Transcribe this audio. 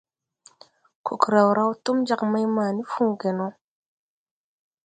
Kokrew raw túm jāg mày mani Fuugeno.